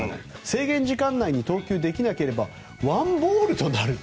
制限時間内に投球できなければワンボールとなる。